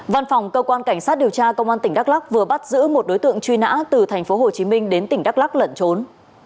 văn phòng cơ quan cảnh sát điều tra công an tỉnh đắk lắc vừa bắt giữ một đối tượng truy nã từ tp hcm đến tỉnh đắk lắc lẩn trốn